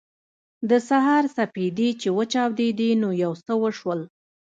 د سهار سپېدې چې وچاودېدې نو یو څه وشول